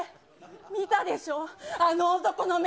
見たでしょ、あの男の目。